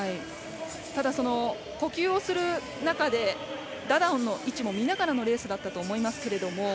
ただ、呼吸をする中でダダオンの位置も見ながらのレースだったと思いますけど。